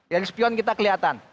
dari spion kita kelihatan